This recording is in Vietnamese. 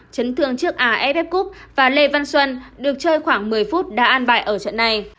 chấn thương chiếc aff cup và lê văn xuân được chơi khoảng một mươi phút đã an bài ở trận này